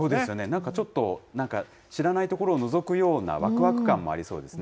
なんかちょっと、なんか知らない所をのぞくような、わくわく感もありそうです